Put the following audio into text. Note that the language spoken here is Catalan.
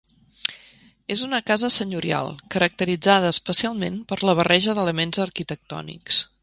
És una casa senyorial caracteritzada especialment per la barreja d'elements arquitectònics.